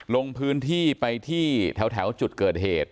ลงพื้นที่ไปที่แถวจุดเกิดเหตุ